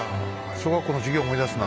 小学校の授業を思い出すな。